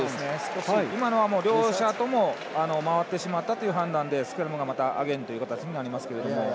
今のは両者とも回ってしまったという判断で、スクラムがアゲインという形になりますけど。